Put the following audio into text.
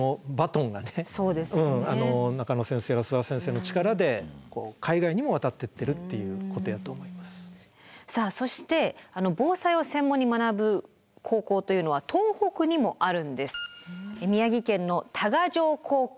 中野先生や諏訪先生の力でさあそして防災を専門に学ぶ高校というのは東北にもあるんです。